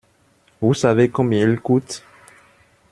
Vous savez combien il coûte ?